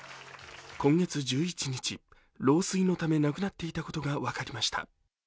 今月１１日、老衰のため亡くなっていたことが分かりました。